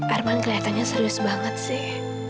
arman kelihatannya serius banget sih